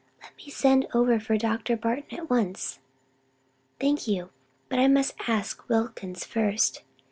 Let me send over for Dr. Barton at once." "Thank you, but I must ask Wilkins first.